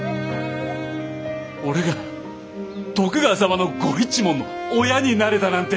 俺が徳川様のご一門の親になれたなんて。